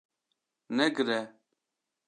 Negire